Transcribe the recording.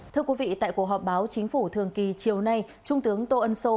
thưa quý vị tại cuộc họp báo chính phủ thường kỳ chiều nay trung tướng tô ân sô